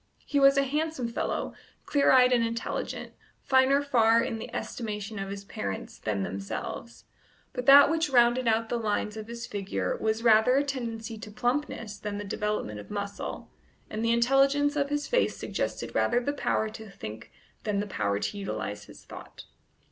He was a handsome fellow, clear eyed and intelligent, finer far, in the estimation of his parents, than themselves; but that which rounded out the lines of his figure was rather a tendency to plumpness than the development of muscle, and the intelligence of his face suggested rather the power to think than the power to utilize his thought.